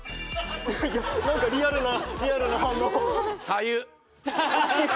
何かリアルなリアルな反応。